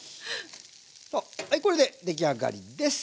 はいこれで出来上がりです！